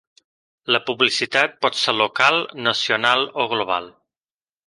La publicitat pot ser local, nacional o global.